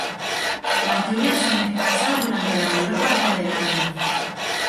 Las lluvias son escasas durante la mayor parte del año.